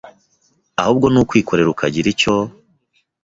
ahubwo ni ukwikorera ukagira icyo